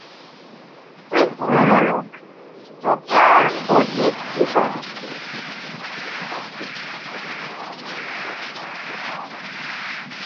তুই পুরানো লোক, তোকে আর অধিক কী শাস্তি দিব।